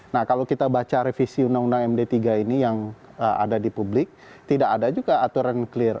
nah kalau kita baca revisi undang undang md tiga ini yang ada di publik tidak ada juga aturan clear